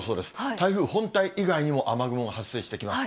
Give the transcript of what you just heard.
台風本体以外にも雨雲が発生してきます。